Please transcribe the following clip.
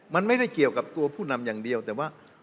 มันไม่ได้เกี่ยวกับตัวผู้นำอย่างเดียวแต่ว่า